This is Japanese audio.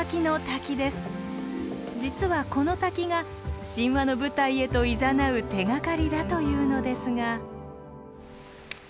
実はこの滝が神話の舞台へといざなう手がかりだというのですが。